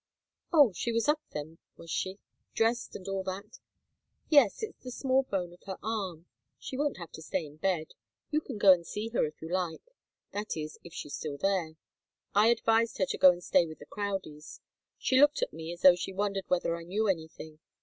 "Oh she was up, then, was she? Dressed, and all that?" "Yes it's the small bone of the arm. She won't have to stay in bed. You can go and see her if you like. That is, if she's still there. I advised her to go and stay with the Crowdies. She looked at me as though she wondered whether I knew anything.